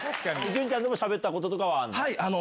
潤ちゃんでもしゃべったこととかってあるの。